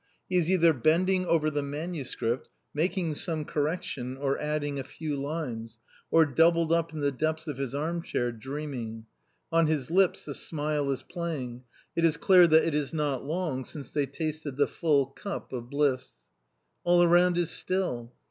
He is either bending over the manuscript, making some correction or adding a few lines, or doubled up in the depths of his armchair dreaming. On his lips a smile is playing ; it is clear that it is not long since they tasted the full " cup " of bliss. All around is still.